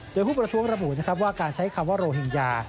โดยผู้ประท้วงระบุนะครับว่าการใช้คำว่าโรฮิงญา